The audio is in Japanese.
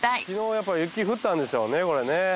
昨日やっぱ雪降ったんでしょうねこれね。